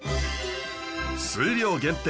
数量限定